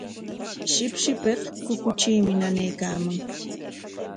Shipshipik kukutriimi nanaykaaman.